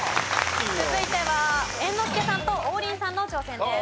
続いては猿之助さんと王林さんの挑戦です。